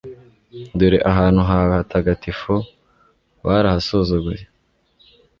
dore ahantu hawe hatagatifu barahasuzuguye